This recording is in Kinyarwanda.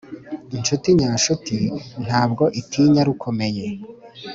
inshuti nyanshuti ntabwo itinya rukomeye